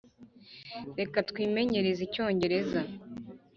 reka twimenyereze icyongereza.